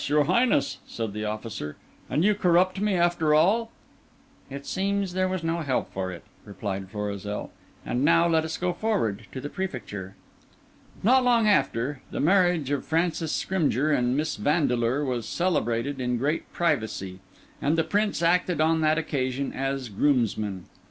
your Highness!" said the officer, "and you corrupt me after all?" "It seems there was no help for it," replied Florizel. "And now let us go forward to the Prefecture." Not long after, the marriage of Francis Scrymgeour and Miss Vandeleur was celebrated in great privacy; and the Prince acted on that occasion as groomsman.